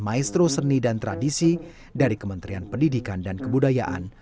baginya dengan membuat alat musik bambu ia turut andil melestarikan kebudayaan